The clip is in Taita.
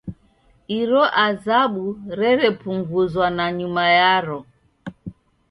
Iro azabu rerepunguzwa nanyuma yaro.